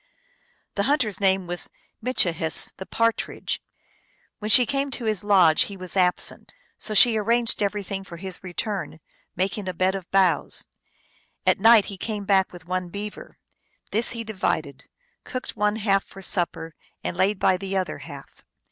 The hunter s name was Mitchihess, the Partridge. "When she came to his lodge he was absent. So she arranged everything for his return, making a bed of boughs. At night he came back with one beaver. This he divided ; cooked one half for supper and laid bv the other half.